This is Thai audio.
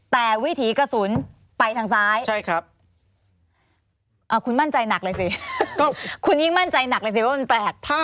แต่วิถีกระสุนไปทางซ้ายใช่ครับคุณมั่นใจหนักเลยสิก็คุณยิ่งมั่นใจหนักเลยสิว่ามันแปลก